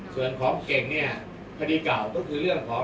ส่วนของเก่งเนี่ยคดีเก่าก็คือเรื่องของ